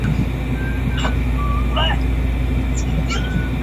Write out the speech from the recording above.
格雷芬维斯巴赫是德国黑森州的一个市镇。